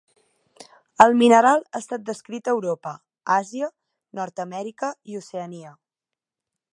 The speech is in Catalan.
El mineral ha estat descrit a Europa, Àsia, Nord-amèrica i Oceania.